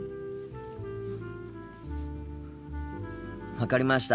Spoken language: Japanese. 分かりました。